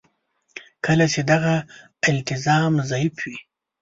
کله چې دغه التزام ضعیف وي.